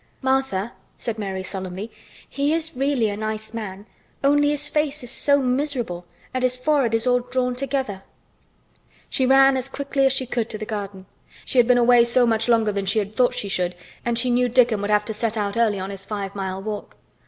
"Martha," said Mary solemnly, "he is really a nice man, only his face is so miserable and his forehead is all drawn together." She ran as quickly as she could to the garden. She had been away so much longer than she had thought she should and she knew Dickon would have to set out early on his five mile walk.